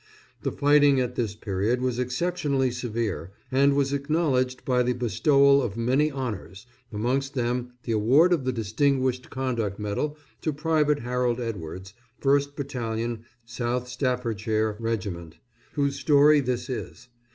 The fighting at this period was exceptionally severe, and was acknowledged by the bestowal of many honours, amongst them the award of the Distinguished Conduct Medal to Private Harold Edwards, 1st Battalion South Staffordshire Regiment, whose story this is.